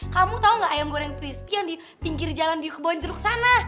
kamu tahu nggak ayam goreng crispy yang di pinggir jalan di kebonjeruk sana